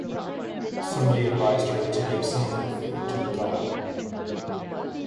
Somebody advised her to give some of her food to a dog.